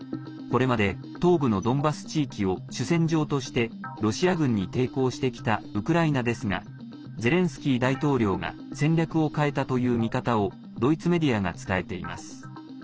これまで東部のドンバス地域を主戦場としてロシア軍に抵抗してきたウクライナですがゼレンスキー大統領が戦略を変えたという見方をドイツメディアが伝えています。